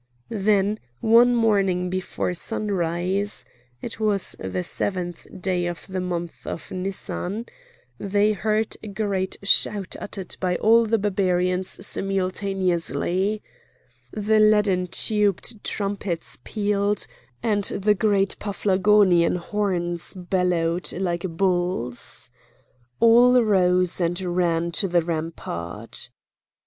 Then one morning before sunrise (it was the seventh day of the month of Nyssan) they heard a great shout uttered by all the Barbarians simultaneously; the leaden tubed trumpets pealed, and the great Paphlagonian horns bellowed like bulls. All rose and ran to the rampart.